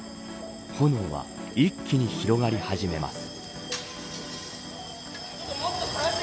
炎は一気に広がり始めます。